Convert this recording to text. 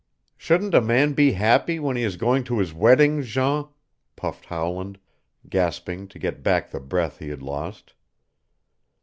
"Shouldn't a man be happy when he is going to his wedding, Jean?" puffed Howland, gasping to get back the breath he had lost.